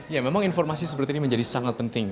ya memang informasi seperti ini menjadi sangat penting